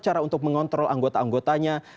cara untuk mengontrol anggota anggotanya